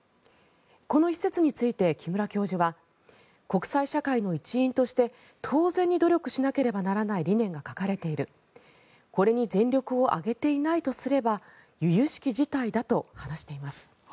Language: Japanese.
この一節について木村教授は国際社会の一員として当然に努力しなければならない理念が書かれているこれに全力を挙げていないとすれば由々しき事態だと話しています。